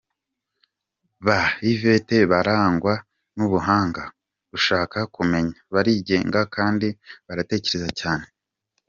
Ba Yvette barangwa n’ubuhanga, gushaka kumenya, barigenga kandi baratekereza cyane.